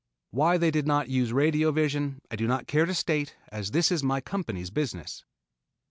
Why they did not use radio vision I do not care to state, as this is my company's business.